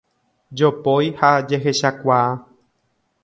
Jopói ha jehechakuaa.